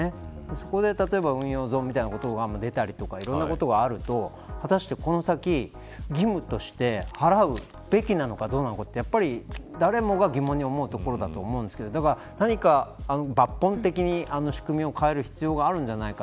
そこで運用損みたいな言葉も出たりとかいろんなことがあると果たしてこの先義務として払うべきなのかどうなのかって誰もが疑問に思うところだと思うんですけどだから何か、抜本的に仕組みを変える必要があるんじゃないか。